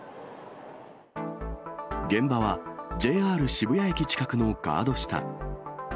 現場はＪＲ渋谷駅近くのガード下。